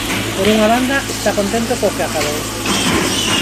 Por unha banda, está contento co que acadou.